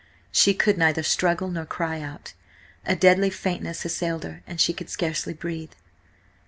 She could neither struggle nor cry out. A deadly faintness assailed her, and she could scarcely breathe.